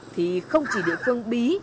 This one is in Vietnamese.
thì không chỉ địa phương bí